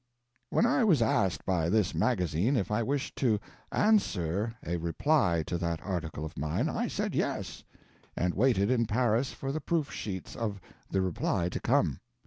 When I was asked by this magazine if I wished to "answer" a "reply" to that article of mine, I said "yes," and waited in Paris for the proof sheets of the "reply" to come.